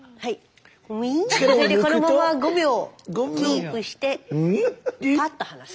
それでこのまま５秒キープしてパッと離す。